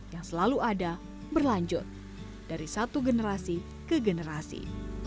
yang selalu ada berlanjut dari satu generasi ke generasi